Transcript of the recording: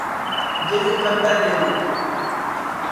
جِند کھپے تیری